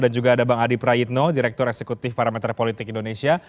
dan juga ada bang adi prayitno direktur eksekutif parameter politik indonesia